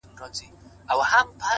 هره ناکامي د زده کړې نوی باب دی